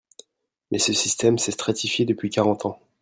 Mais ce système s’est stratifié depuis quarante ans.